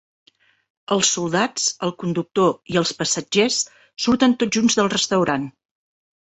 Els soldats, el conductor i els passatgers surten tots junts del restaurant.